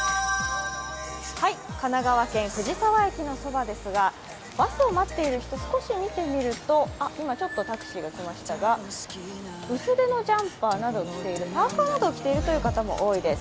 神奈川県藤沢駅のそばですが、バスを待っている人、少し見てみると、今ちょっとタクシーが来ましたが薄手のジャンパーやパーカーなどを着ている方が多いです。